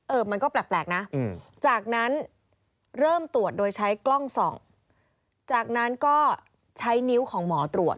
มันก็แปลกนะจากนั้นเริ่มตรวจโดยใช้กล้องส่องจากนั้นก็ใช้นิ้วของหมอตรวจ